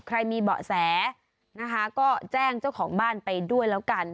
ใครมีเบาะแสนะคะก็แจ้งเจ้าของบ้านไปด้วยแล้วกัน